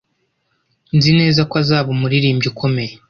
Nzi neza ko azaba umuririmbyi ukomeye